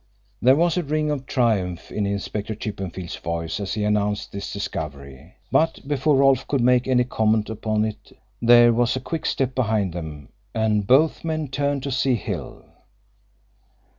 There was a ring of triumph in Inspector Chippenfield's voice as he announced this discovery, but before Rolfe could make any comment upon it there was a quick step behind them, and both men turned, to see Hill.